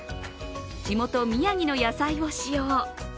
地元・宮城の野菜を使用。